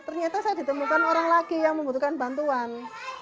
ternyata saya ditemukan orang lagi yang membutuhkan bantuan